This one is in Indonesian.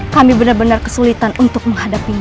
kami benar benar kesulitan untuk menghadapinya